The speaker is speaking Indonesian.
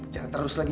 jangan terus lagi